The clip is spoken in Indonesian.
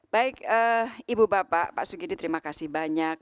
baik ibu bapak pak sugidi terima kasih banyak